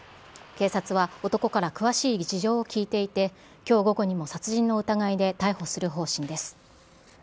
警察は男から詳しい事情を聴いていて、きょう午後にも殺人の疑いで逮捕する方針です。